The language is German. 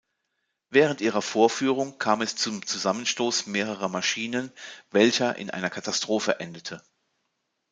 Während ihrer Vorführung kam es zum Zusammenstoß mehrerer Maschinen, welcher in einer Katastrophe endete.